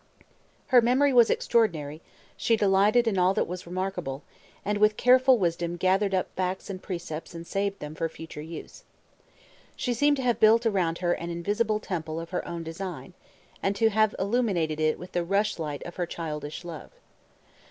Her memory was extraordinary; she delighted in all that was remarkable, and with careful wisdom gathered up facts and precepts and saved them for future use. She seemed to have built around her an invisible temple of her own design, and to have illuminated it with the rushlight of her childish love.